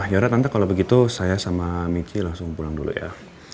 akhirnya tante kalau begitu saya sama miki langsung pulang dulu ya